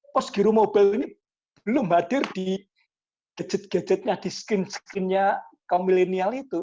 postgear mobile ini belum hadir di gadget gadgetnya di screen screennya komilinial itu